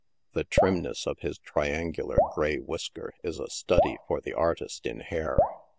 The trimness of his triangular grey whisker is a study for the artist in hair.